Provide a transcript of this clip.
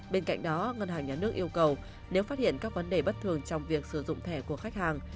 bên cạnh đó ngân hàng nhà nước yêu cầu nếu phát hiện các vấn đề bất thường trong việc sử dụng thẻ của khách hàng